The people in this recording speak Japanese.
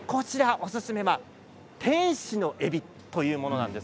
おすすめは天使のえびというものなんです。